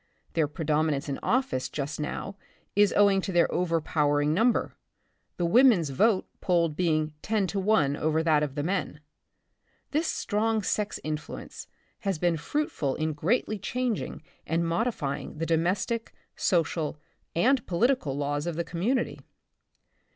Their predominance in office just now is owing to their over powering number, the women's vote polled being ten to one over that of the men. This strong sex influence has been fruitful in greatly changing artd modifying the domestic, social and political laws of the community.